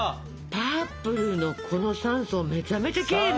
パープルのこの３層めちゃめちゃきれいね。